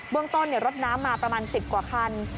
เรื่องต้นรถน้ำมาประมาณ๑๐กว่าคัน